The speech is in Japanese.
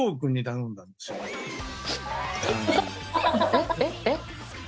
えっえっえっ？